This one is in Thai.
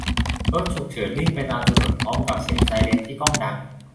รถฉุกเฉินวิ่งไปตามถนนพร้อมกับเสียงไซเรนที่ก้องดัง